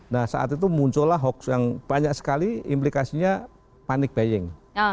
nah saat itu muncullah hoax yang banyak sekali implikasinya panik baying